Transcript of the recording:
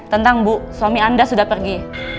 tentang bu suami anda sudah pergi